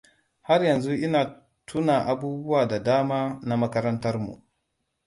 Har yanzu ina tuna abubuwa da dama na makarantarmu.